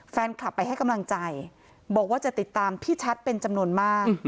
แฟนคลับไปให้กำลังใจบอกว่าจะติดตามพี่ชัดเป็นจำนวนมาก